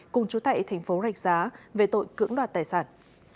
cùng chú tệ tp rạch giá về tội cưỡng đoạt tài sản